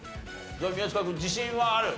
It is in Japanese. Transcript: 宮近君自信はある？